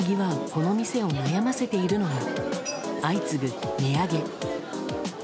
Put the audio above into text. この店を悩ませているのが相次ぐ値上げ。